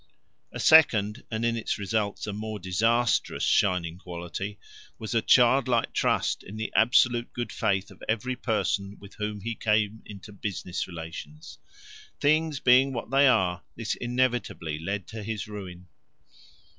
A second and in its results a more disastrous shining quality was a childlike trust in the absolute good faith of every person with whom he came into business relations. Things being what they are this inevitably led to his ruin.